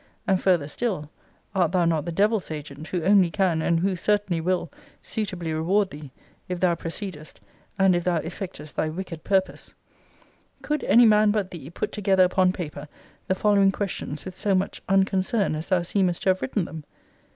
And further still, art thou not the devil's agent, who only can, and who certainly will, suitably reward thee, if thou proceedest, and if thou effectest thy wicked purpose? Could any man but thee put together upon paper the following questions with so much unconcern as thou seemest to have written them?